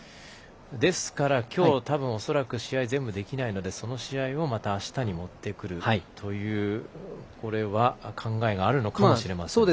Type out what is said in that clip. ですから、きょうたぶん恐らく試合全部できないのでその試合も、またあしたに持ってくるという考えがあるのかもしれません。